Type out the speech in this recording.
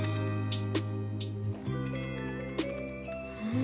うん！